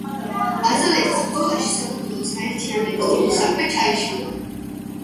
ბაზალეთის ბრძოლაში საქართველოს გაერთიანების დიდი საქმე ჩაიშალა.